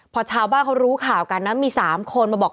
พอชาวบ้านเขารู้ข่าวกันนะมี๓คนมาบอก